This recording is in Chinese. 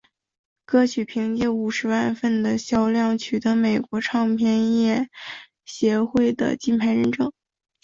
歌曲凭借五十万份的销量取得美国唱片业协会的金牌认证。